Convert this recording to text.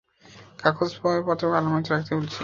কাগজপত্রগুলো আলমারিতে রাখতে বলেছি!